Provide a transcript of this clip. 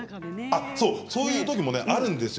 そういうときもあるんですよ。